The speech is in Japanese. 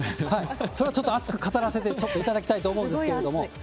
それをちょっと熱く語らせていただきたいと思うんですけれども。